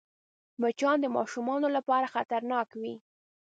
مچان د ماشومانو لپاره خطرناک وي